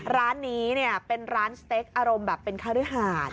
ร้านนี้เนี่ยเป็นร้านสเต็กอารมณ์แบบเป็นคฤหาส